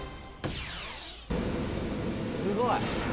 すごい。